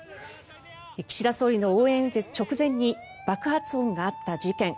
岸田総理の応援演説直前に爆発音があった事件。